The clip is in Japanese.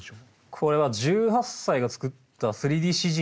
これは１８歳が作った３ＤＣＧの作品ですね。